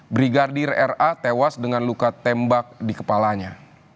brigadir ra tewas dengan luka tembak di kepalanya